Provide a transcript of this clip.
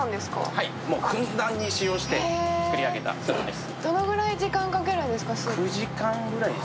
はい、もうふんだんに使用して作り上げたスープです。